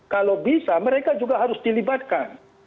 kalau bisa mereka juga harus dilibatkan